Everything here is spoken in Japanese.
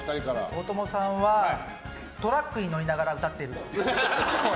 大友さんはトラックに乗りながら歌ってるっぽい。